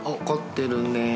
凝ってるね。